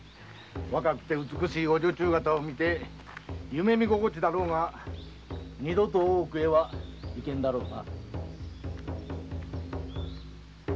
若くて美しいお女中がたを見て夢見心地だろうが二度と大奥へは行けんだろうな。